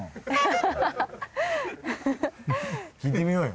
聞いてみようよ。